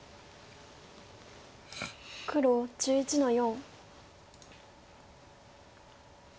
黒１１の四。